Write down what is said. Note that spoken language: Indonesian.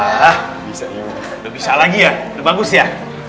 sudah bisa lagi ya udah bagus ya